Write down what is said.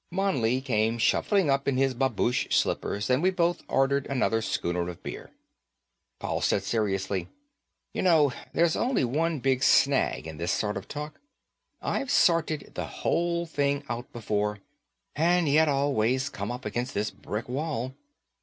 Mouley came shuffling up in his babouche slippers and we both ordered another schooner of beer. Paul said seriously, "You know, there's only one big snag in this sort of talk. I've sorted the whole thing out before, and you always come up against this brick wall.